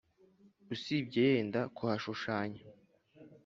usibye yenda kuhashushanya